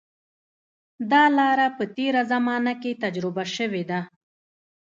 دا لاره په تېره زمانه کې تجربه شوې ده.